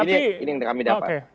ini yang kami dapat